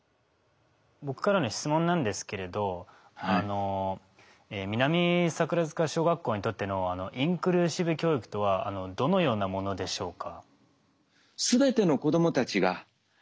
僕からの質問なんですけれど南桜塚小学校にとってのインクルーシブ教育とはどのようなものでしょうか。